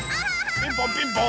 ピンポンピンポーン。